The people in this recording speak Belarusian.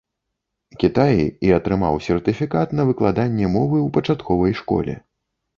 Кітаі і атрымаў сертыфікат на выкладанне мовы ў пачатковай школе.